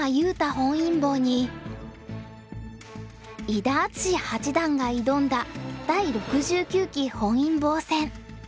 本因坊に伊田篤史八段が挑んだ第６９期本因坊戦。